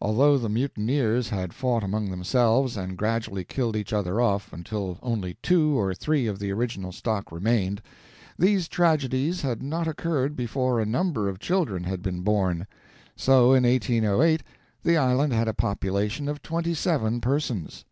Although the mutineers had fought among themselves, and gradually killed each other off until only two or three of the original stock remained, these tragedies had not occurred before a number of children had been born; so in 1808 the island had a population of twenty seven persons.